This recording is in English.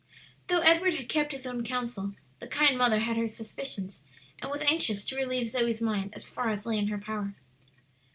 Though Edward had kept his own counsel, the kind mother had her suspicions, and was anxious to relieve Zoe's mind as far as lay in her power.